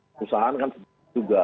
perusahaan kan juga